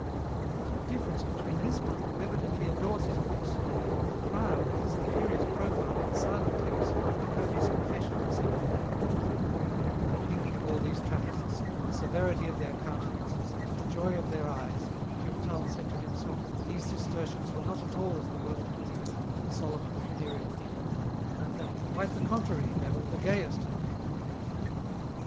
"What a difference between this monk who evidently adores his books, and the prior with his imperious profile and silent lips who heard his confession the second day ;" then thinking of all these Trappists, the severity of their countenances, the joy of their eyes, Durtal said to himseh that these Cistercians were not at all as the world believed, solemn and funereal people, but that, quite the contrary, they were the gayest of men.